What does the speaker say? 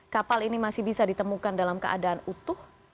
kapal ini masih bisa ditemukan dalam keadaan utuh